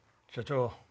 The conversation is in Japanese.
社長